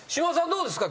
どうですか？